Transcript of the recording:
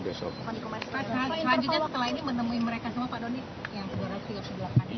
selanjutnya setelah ini menemui mereka semua pak doni